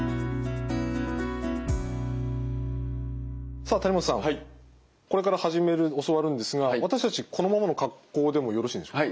さあ谷本さんこれから教わるんですが私たちこのままの格好でもよろしいんでしょうか？